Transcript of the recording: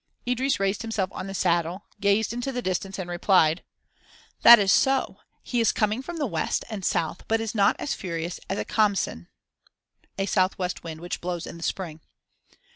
Idris raised himself on the saddle, gazed into the distance, and replied: "That is so. He is coming from the west and south but is not as furious as a Khamsin."* [* A southwest wind which blows in the spring.